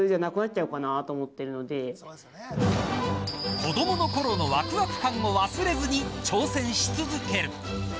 子どものころのわくわく感を忘れずに挑戦し続ける。